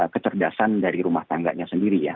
kecerdasan dari rumah tangganya sendiri ya